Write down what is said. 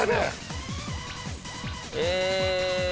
え。